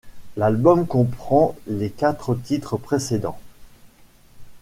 L'album comprend les quatre titres précédents.